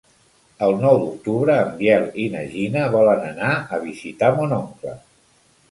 El nou d'octubre en Biel i na Gina volen anar a visitar mon oncle.